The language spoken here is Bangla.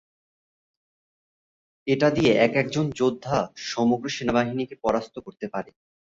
এটা দিয়ে, একা একজন যোদ্ধা সমগ্র সেনাবাহিনীকে পরাস্ত করতে পারে।